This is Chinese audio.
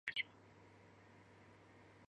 范围包括英国全国和爱尔兰。